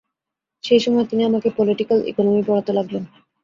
সেই সময় তিনি আমাকে পোলিটিক্যাল ইকনমি পড়াতে লাগলেন।